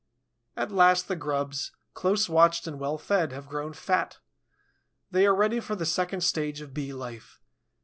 At last the grubs, close watched and well fed, have grown fat; they are ready for the second stage of Bee life.